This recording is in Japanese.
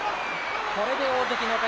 これで大関の形。